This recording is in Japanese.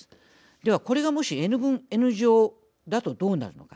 では、これがもしＮ分Ｎ乗だとどうなるのか。